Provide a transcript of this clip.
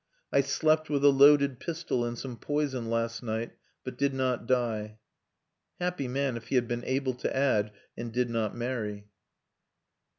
I slept with a loaded pistol and some poison last night, but did not die," Happy man if he had been able to add, "And did not marry!"